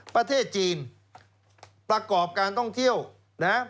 ประเทศจีนประกอบการท่องเที่ยวนะ